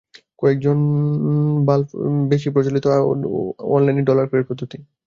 Coin বেজসানফ্রানসিসকোভিত্তিক Coinbase বর্তমানে যুক্তরাষ্ট্রের সবচেয়ে বেশি প্রচলিত অনলাইনে ডলার ক্রয়ের পদ্ধতি।